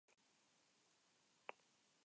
Ahí fueron subcampeonas de la Copa de la Reina.